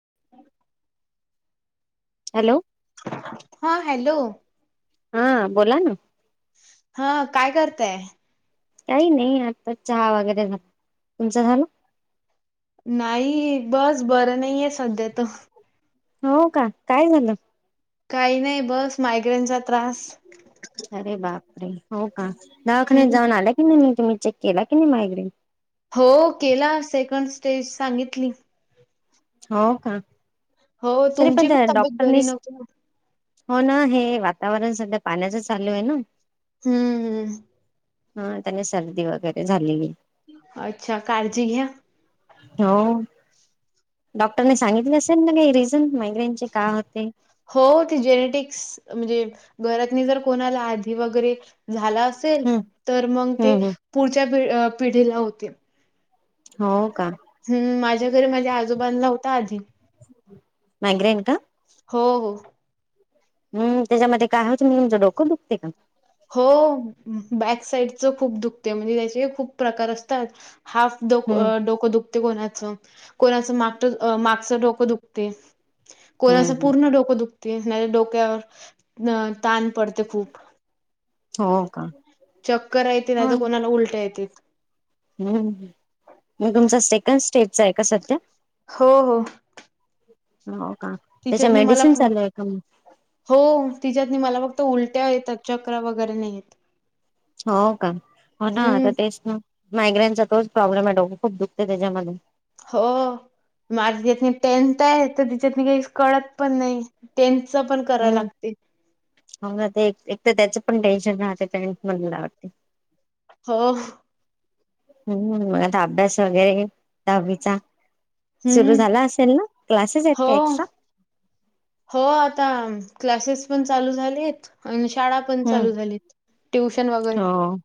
[inaudible] Hello! हा hello! हा बोला ना? हा काय करताय? काही नाही आताचं चहा वगैरे झाला, तुमचा झाला? नाही बस बरं नाहीये सध्या तर. हो का काय झालं? काही नाही बस मायग्रेनचा त्रास. अरे बापरे! हो का दवाखान्यात हम्म जाऊन आल्या की नाही? तुम्ही चेक केला की नाही मायग्रेन? हो केला सेकंड स्टेज सांगितली. हो का, हो तरी तुमची पण त्या तब्येत बरी डॉक्टरनीच नव्हती ना? हो ना हे वातावरण सध्या पाण्याचं चालू ये ना. हम्म हम्म हा त्याने सर्दी वगैरे झाली. अच्छा! काळजी घ्या हो, डॉक्टरने सांगितले असेल ना रिझन मायग्रेनचे का होतेय? हो ते जेनेटिक्स, म्हणजे घरात जर कोणाला आधी वगैरे झाला असेल, हम्म तर मग ते हम्म हम्म पुढच्या पिढीला होते. हो का? हम्म, माझ्या घरी माझ्या आजोबांना होता आधी. मॅग्रेन का? हो हो हम्म त्याच्यामध्ये काय होतं म्हणजे तुमचं डोकं दुखते का? हो बॅक साइडच खूप दुखते म्हणजे त्याचे खूप प्रकार असतात. हाफ डो हम्म डोकं दुख कोणाच, कोणाच माग मागचं डोकं दुखतेय. हम्म कोणाचं हम्म पूर्ण डोकं दुखत. तेच ना ते डोक्यावर ताण पडते खूप? हो का चक्कर येते, हो नाही तर कोणाला उलट्या येतेत. हम्म, मग तुमचा सेकंड स्टेटचा आहे का सध्या? हो हो. हो का, त्याच्या तिच्यातनी मला मेडिसिन फ- चालु ये का मग? हो तिच्यातनी मला फक्तं उलट्या येतात चक्र वगैरे नाही येत. हो का, हो ना हम्म आता तेच ना मायग्रेनचा तोच प्रॉब्लेम आहे डोकं खूप दुखतेय त्याच्यामध्ये. हो माझं त्यात टेन्थ आहे तर तिच्यातन काहीचं कळतं पण नाही ते तीच पण करा हम्म लागते. हो ना ते एक तर त्याचं पण टेन्शन राहते टेन्थ म्हटल्यावरती. हो हम्म मग आता अभ्यास वगैरे, दहावीचा सुरु हम्म झाला असेल ना क्लासेस आहेत का हो एक्स्ट्रा? हा क्लासेस पण चालू झालेत आणि शाळा पण हम्म चालू झाली, ट्युशन वगैरे हो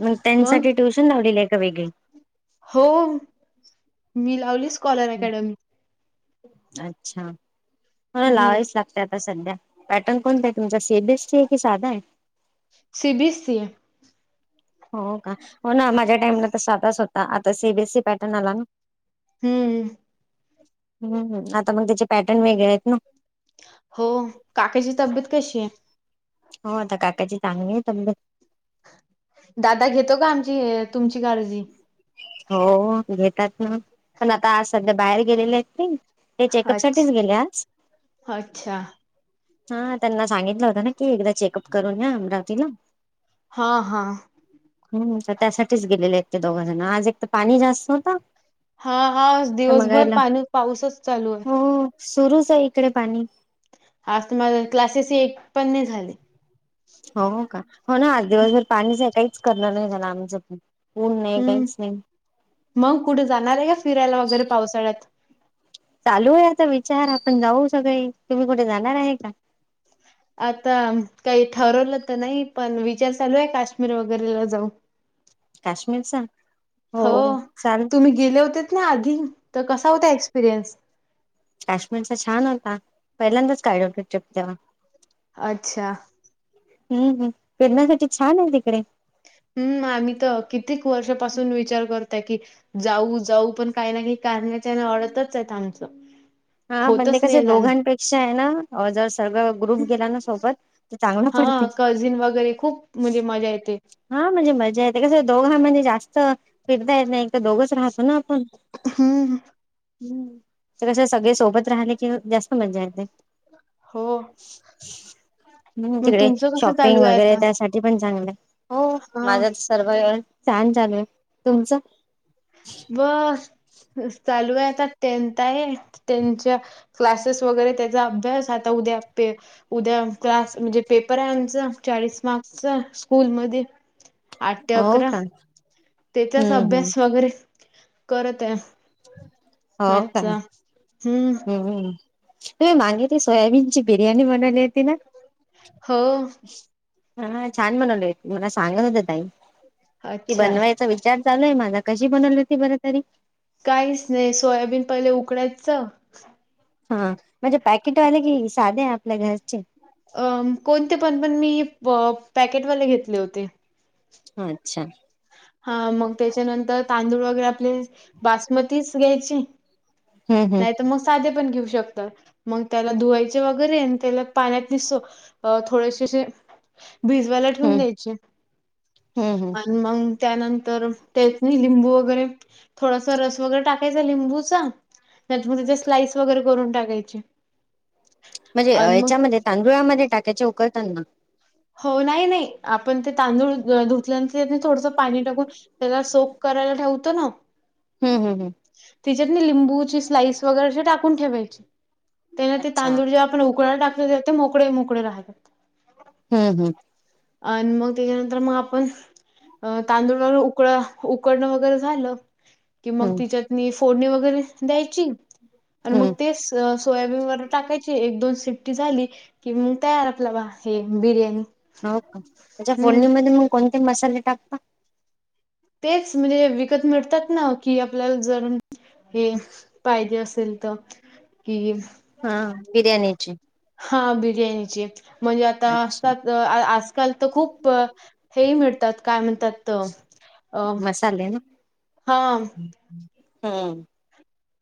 मग त्यांनसाठी ट्युशन लावलेली आहे का वेगळे हो मी लावली स्कॉलर अकॅडमी अच्छा म हम्म लावावीच लागतात सध्या पॅटर्न कोणत आहे तुमचा सीबीएसी आहे कि साधा आहे सी बीस एस सी हो का हो ना माझ्या टाइमला तस स्वतः होता आता सीबीएससी पॅटर्न आला ना हम्म हम्मम् आता मग त्याचे पॅटर्न वेगळे आहेत ना हो काकाची तब्येत कशी आहेत हो आता काकाची चांगली आहे तब्बेत दादा घेतो का आमची तुमची काळजी हो घेतात ना पण आता आज सध्या बाहेर गेलेले आहेत ना ते चेकअप अच्छ साठीच गेले आज अच्छा हा त्यांना सांगितलं होत ना तु एकदा चेकअप करून या अमरावतीला हा हा हम्म तर त्यासाठीच गेलेले एक ते दोघजण आज एक तर पाणी जास्त होत हा हा दिवसभर मगायला पाणी पाऊसच चालू आहे हो सुरूच आहे इकडे पाणी हा तुम्हाला क्लासेस एक पण नाही झाले हो का हो ना आज दिवसभर पाणीच काहीच करणार नाही आराम झोपलया ऊन नाही हम्म काहीच नाही. मग कुठे जाणार आहे का फिरायला वगैरे पावसाळ्यात चालू आहे आता विचार आपण जाऊ सगळे तुम्ही कुठे जाणार आहे का? आता काही ठरवलं तर नाही पण विचार चालू आहे काश्मीर वगैरेला जाऊ. काश्मीरचा हो तुम्ही गेले होतेत ना आधी तर कसा होता एक्सपिरियन्स काश्मीरचा छान होता पहिल्यांदाच काडल्या होत्या ट्रिप त्या अच्छा हम्म हम्म फिरण्यासाठी छान आहे तिकडे हम् आम्ही तर कित्येक वर्षापासून विचार करतोय की जाऊ जाऊ पण काय नाही कारण्याच्या ओडतच आहेत आमच हा पण ते कस दोघांपेक्षा आहे ना जर सगळं ग्रुप गेला ना सोबत चांगलं पडते हा कझिन वगैरे खूप म्हणजे मजा येते हा म्हणजे मजा येत कस दोघा म्हणजे जास्त फिरता येत नाही तर दोघच राहतो ना आपण हम्म हम्म ते कस सगळे सोबत राहले कि जास्त मजा येते हो हम् मग तिकडे तुमचं कसं शॉपिंग चालू आहे वगैरे आता त्यासाठी पण चांगलं हो हा माझं सर्व व छान चालू आहे तुमचं वा चालू आहे आता टेनथ आहे त्यांच्या क्लासेस वगैरे त्याचा अभ्यास आता उद्या प उद्या क्लास म्हणजे पेपर आहे आमचा चाळीस मार्कसचा स्कूल मधी आठ ते हो अकरा का त्याचाच हम्म हम्म अभ्यास वगैरे करत आहे. हो का मॅथचा हम्म. मागे ती सोयाबीनची बिर्यानी म्हणाली होती ना. हो. हा छान बनवले मला सांगत होत ताई की अच्छा बनवायचा विचार चालूय मला कशी बनवली होती बर तरी काहीच नाही सोयाबीन पहिले उकडायच. हा म्हणजे पॅकेटवाले की साधे आपल्या घरचे अ कोणते पण पण मी पॅकेटवाले घेतले होते. अच्छा? हा मग त्याच्यानंतर तांदूळ वगैरे आपले बासमतीच घ्यायची. हम्म हम्म नाही तर मग साधे? पण घेऊ शकतात मग त्याला धुवायचे वगैरे त्याला पाण्यात दिसतो थोडेसेे असे. भिजवायला ठेवून हम्म द्यायचे हम्म हम्म आणि मंग. त्यानंतर तेच नाही लिंबू वगैरे थोडासा रस वगैरे टाकायचा लिंबूचा? नाही मग त्याच्या स्लाइस वगैरे करून टाकायचे. म्हणजे आणि मग याच्यामध्ये तांदुळामध्ये टाक्याचे उकलताना. हो नाही नाही आपण ते तांदूळ धुतल्यानंतर त्या थोडस पाणी टाकून त्याला सोकवयच. करायला ठेवत ना? हम्म हम्म हम्म तिच्यात नाही लिंबूची स्लाइस वगैरे टाकून ठेवायची. त्यान ते अच्छा तांदूळ जेव आपण उकडयला टाकतो ते ते मोकळे मोकळे राहतात. हम् हम्. अ आणि मग त्याच्यानंतर मग आपण? अ तांदूळवर उकळ उकडणं वगैरे झालं? कि मग हम्म तिच्यात फोडणी वगरे द्यायची आणि हम्म मग ते अस? सोयाबीन वरुन टाकायची एक दोन सिट्टी झाली की मग तयार आपला बा हे बिर्याणी. हो का त्याच्या हम्म फोडणीमध्ये मग कोणते मसाले टाकता. तेच म्हणजे विकत मिळतात ना की आपल्याला जर? हे पाहिजे असेल तर कि हेच? हा बिर्याणीची? हा बिर्याणीची म्हणजे आता असत अच्छा आजकाल तर खूप हे मिळत. त्यात काय म्हणतात अ? हा हम.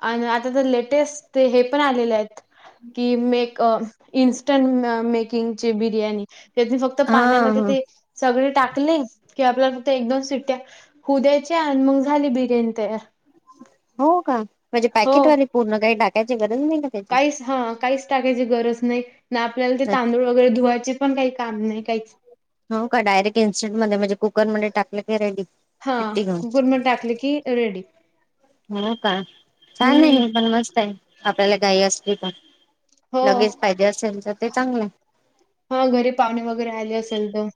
आणि आता तर लेटेस्ट ते हे पण आलेले आहेत की मेक. अ इन्स्टन मेकिंगची बिर्याणी? त्यात फक्त हा पाण्यामध्ये हा ते सगळे टाक? टाकले की आपल्याला फक्त एक दोन सिट्ट्या होऊ द्यायच्या आणि मग झाली बिर्याणी तयार. हो का म्हणजे हो पॅकेटवाले पूर्ण काही टाकायचे. काहीच हा काहीच टाकायची गरज नाही. ना आपल्याला ते तांदूळ वगैरे धुवायचे पण काही काम नाही काहीच? हो का डायरेक्ट इन्स्टंट मध्ये म्हणजे कुकरमध्येध्ये टाकलं की रेडी हा सिट्टी घेऊन. कुकर म टाकले की रेडी? हो का छान हम्म आहे पण मस्त आहे आपल्याला गाई असली पण. हो लगेच फायदे असेल तर ते चांगलं आहे. हा घरी पाहुणे वगैरे आले असेल तर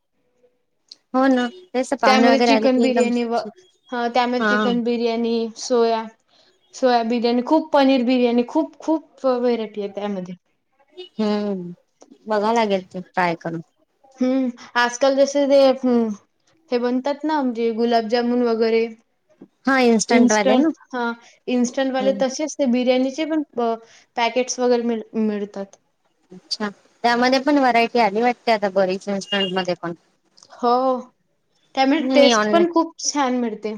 हो ना. तेच पाहुणे त्यामध्ये वगैरे आले चिकन की एकदम बिर्याणी व त्यामध्ये हा chicken biryani soya. Soya biryani खूप पनीर बिर्याणी खूप खूप व्हरायटी आहे त्यामध्ये हम्म बघाव लागेल ते ट्राय करून. हम्म आजकाल जसे ते हं. हे बनतात ना म्हणजे गुलाबजामुन वगैरे. हा इन्स्टंट वाले इंस्टंट हा इंस्टंट वाले ना तसेच बिर्यानी. त्याचे पण पॅकेटस वगैरे मिळतात. अच्छा त्यामध्ये पण व्हरायटी आली वाटते आता बरीच रेस्टॉरंट मध्ये पण. हो त्यामुळे मी टेस्ट पण ऑनलाईन खूप छान मिळते.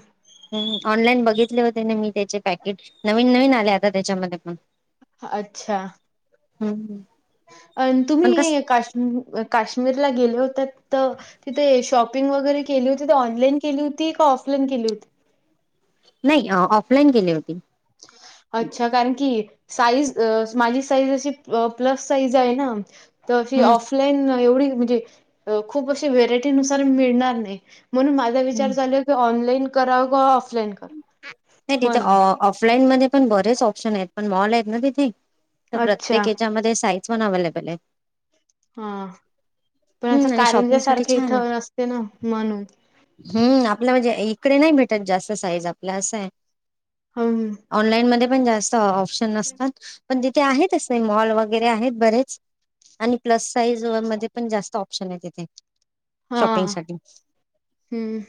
ऑनलाईन बघितले होते ना मी त्याचे पॅकेट नवीन नवीन आले आता त्याच्यामध्ये पण. अच्छा,? हम्म हम्? अ तुम्ही हे काश्मी काश्मीरला गेले होतात. तर तिथे शॉपिंग वगैरे केली होती ते ऑनलाईन केली होती का ऑफलाईन केली होती नाही ऑफलाईन केली होती अच्छा कारण की साईज माझी साईज अशी प्लस साईज आहे ना तर अशी हम्म ऑफलाईन एवढी म्हणजे खूप अशी व्हेरायटी नुसार मिळणार नाही म्हणून माझा हम्म विचार चाल की ऑनलाईन कराव क ऑफलाईन करा नाही तिथे ऑफलाईन मध्ये पण बरेच ऑप्शन आहेत पण मॉल आहेत ना तिथे तर अच्छा. प्रत्येक याच्यामध्ये साइज पण अवलेबल आहे हा पणच हम्म आणि कारिंज शॉपिंग साठी सारखे छान आहे इथं नसते ना म्हणून तकडे नाही भेटत जास्त साईज आपल्या असं आहे हं. ऑनलाईन मध्ये तिथे जास्त ऑप्श नतात पण तिथे आहेतच मॉल वगैरे आहेत बरेच आणि प्लस साइज मध्ये पण जास्त ऑप्शन आहे तिथे हा शॉपिंग साठी हम्म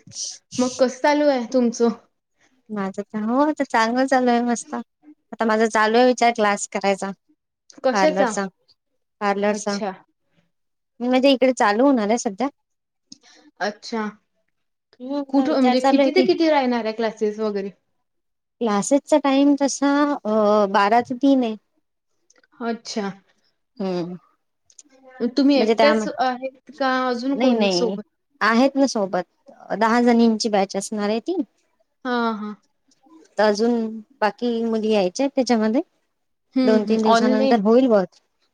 मग कस चालू आहे तुमचं माझं तर हो आता चांगलं चालू आहे मस्त आता माझा चालू आहे विचार क्लास करायचा कशाचा? पार्लरचा पार्लरच अच्छा. मी म्हणजे इकडे चालू होणार आहे सध्या अच्छा हम्म आता कुठ विचार म्हणजे चालू आहे किती ते की किती राहणार आहे क्लास तेच वगैरे क्लासेसचा टाइम तसा अ बारा ते तीन आहे अच्छा हम्म तुम्ही म्हणजे त्या एकट्याच आहेत का अजून नाही कोणी नाही सोबत? आहेत ना सोबत दहा जणची बॅच असणार आहे ती हा हा अजून बाकी मुली यायच्या आहेत त्याच्यामध्ये हं, दोन हं. तीन ऑनलाईन. दिवसानंतर होईल बर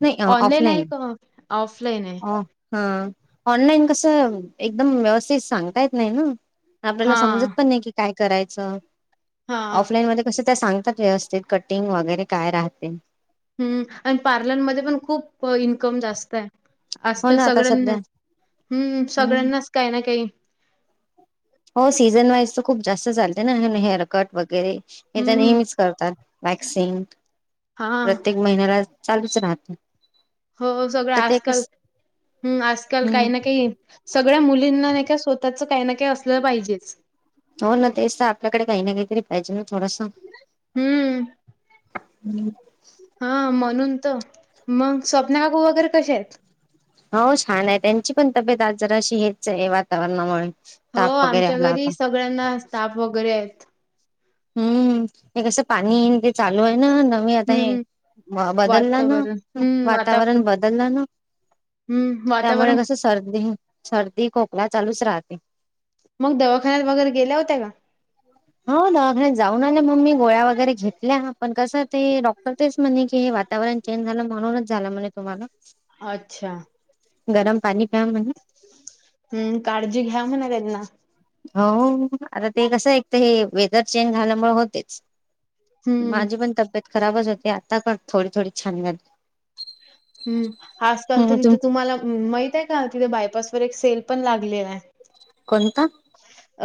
नाही ऑनलाईन आहे ऑफलाईन का ऑफलाईन आहे? आफ अ हा ऑनलाईन कसं एकदम व्यवस्थित सांगता येत नाही ना आपल्याला समजत हां, पण नाही कि काय करायचं हां. ऑफलाईन मध्ये कस त्या सांगतात व्यवस्थित कटिंग वगैरे काय राहते हम्म आणि पार्लरमध्ये पण खूप इन्कम जास्त आहे हो आजकाल ना आता सध्या सगळ्यांनाच हम्म सगळ्यांनाच काही ना काही हो सीझन वाईज तर खूप जास्त चालते ना हेअरकट वगैरे हे तर हं. नेहमीच करतात वॅक्सिन हां. प्रत्येक महिन्याला चालूच राहते हो सगळं आजकाल हम् आजकाल हम्म काही ना काही सगळ सगळ्या मुलींना नाही का स्वतःच काही ना काही असलं पाहिजेच हो ना तेच तर आपल्याकडे काही ना काहीतरी पाहिजे थोडस. हम्म त मग स्वप्ना काकु वगैरे कसे आहेत हो छान आहे त्यांची पण तब्येत आजार अशी हेच आहे वातावरणामुळे हो ताप वगैरे आमच्या आला होता. घरी सगळ्यांना स्टाफ वगैरे आहेत हम्म हे कसं पाणी ये ते चालू आहे हे ना नवी आता हे हं, बदलला ना वातावरण हं, वातावरण बदल बदललं ना हं, त्यामुळे वातावरण कस बदल. सर्दी सर्दी खोकला चालूच राहते मग दवाखान्यात वगैरे गेल्या होत्या का हो द जाऊन आल्या मम् ममी गोळ्या वगैरे घेतल्या पण कस ते डॉक्टर ते म्हणे की हे वातावरण चेंज झालं म्हणूनच झाला म्हणे तुम्हाला अच्छा गरम पाणी प्या म्हणे हम्म काळजी घ्या म्हणा त्यांना हो आता ते कसं एक तर हे वेदर चेंज झाल्यामुळे होतेच हं, माझी पण तब्येत खराबच होती आता पण थोडी थोडी छान [inaudible] गली हम्म आजकाल तर तिथे तुम्हाला -माहित आहे का तिथे बायपास व एक सेल पण लागले हाय कोणता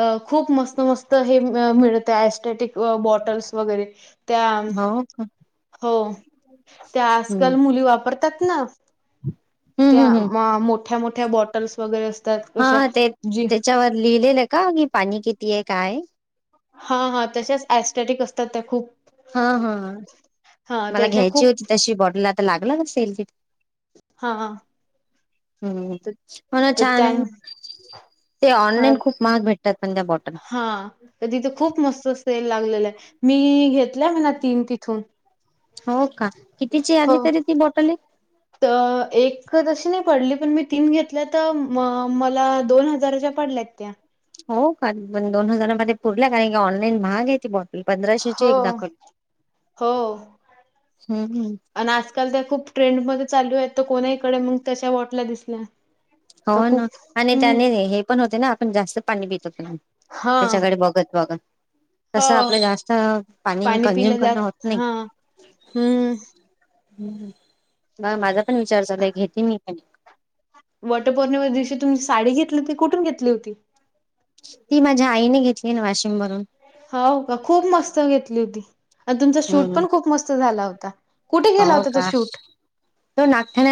अ-खूप मस्त मस्त हे मि-मिळते ॲस्टेटिक बॉटल्स वगैरे त्या हो का हो त्या आजकाल हम्म मुली वापरतात ना हम्म हम्म त्या हम्म -मोठ्या मोठ्या बॉटल्स वगैरे अस हा ते-तेच्यावर लिहिलेलं का की पाणी कितीय काय हा हा तशाच ॲस्टॅटिक असतात त्या खूप हा हा हां, मला त्याच्या घ्यायची खूप होती तशी बॉटल आता लागल सेल तिथे हा हम् मणा छान आहे ते ऑनलाईन खूप महाग भेट हा तर तिथे खूप मस्त सेल लागलेलं आहे मी- घेत तल्या म तीन तिथून हो का कितीची हो आली तरी ती बॉटल आहे तर एक तशी नाही पडली पण मी तीन घेतल्या तर म मला दोन हजाराच्या पडल्यात त्या हो का दोन हजारामध्ये पुरला कारण ऑनलाईन महाग आहे ती बाॅट पंधराशेची हो, एक दाखोली आण आजकाल त्या खूप ट्रेंडमध्ये चालू आहेत कोणाहीकडे मग त्याच्या वॉटल्या दिसल्या. हो तर खूप ना आणि हं. त्याने हे पण होते ना आपण जास्त पाणी ब हां. त्याच्याकडे बघत बघत. तस हो. आपलं जास्त- पाणी कंझ्युम करणं होत नाही. हम्म ह मघ माझा पण विचार झाचालाय घेते मी पण वॉटर पोर्णि दिवशी तुमची साडी घेतली हो त कुठून घेतली होती ती माझ्या आईने घेतली ना वाशिमवरून [inaudible] हो का खूप मस्त घेतली होती तुमचा शूट हम्म. पण खूप मस्त झाला होता कुठे गेला हो होता तो का? शूट तो नागठाणे